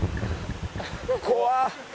怖っ。